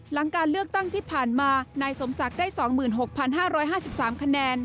หลังการเลือกตั้งที่ผ่านมานายสมศักดิ์ได้๒๖๕๕๓คะแนน